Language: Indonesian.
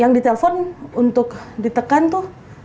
yang ditelepon untuk ditekan tuh